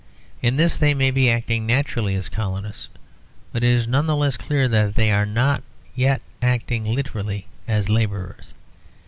In this they may be acting naturally as colonists, but it is none the less clear that they are not yet acting literally as labourers.